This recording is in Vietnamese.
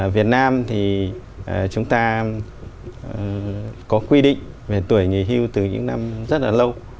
việt nam thì chúng ta có quy định về tuổi nghỉ hưu từ những năm rất là lâu